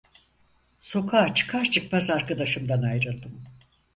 Sokağa çıkar çıkmaz arkadaşımdan ayrıldım.